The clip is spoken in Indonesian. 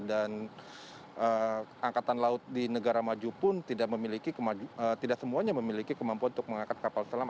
dan angkatan laut di negara maju pun tidak semuanya memiliki kemampuan untuk mengangkat kapal selam